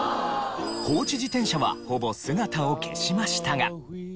放置自転車はほぼ姿を消しましたが。